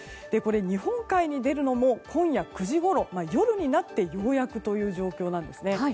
日本海に出るのも今夜９時ごろ夜になってようやくという状況なんですね。